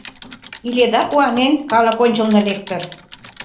Иледа куанен», Калык ончылно лектор